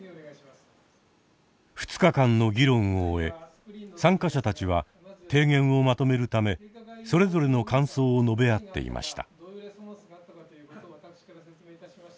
２日間の議論を終え参加者たちは提言をまとめるためそれぞれの感想を述べ合っていました。